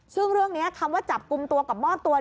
ซึ่งเรื่องนี้คำว่าจับกลุ่มตัวกับมอบตัว